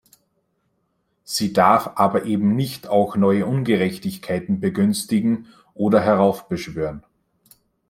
Sie darf aber eben nicht auch neue Ungerechtigkeiten begünstigen oder heraufbeschwören.